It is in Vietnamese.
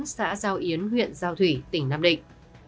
xã giao yến huyện giao thủy tỉnh nam định